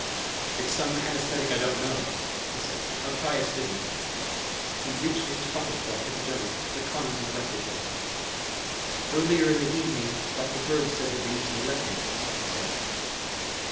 "It's some anesthetic I don't know," he said. "I'll try a stimulant." He reached in his pocket for a hypodermic, but Carnes interrupted him. "Earlier in the evening Dr. Bird said they were using lethane," he said.